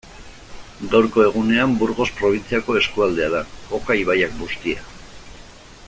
Gaurko egunean Burgos probintziako eskualdea da, Oka ibaiak bustia.